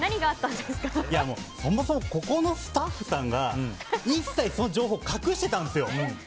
そもそもここのスタッフさんが一切その情報を隠してたんですよ。